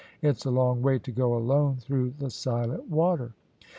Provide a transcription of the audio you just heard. It's a long way to go alone through the silent water."